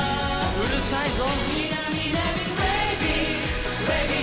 うるさいぞ。